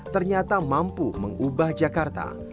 ternyata mampu mengubah jakarta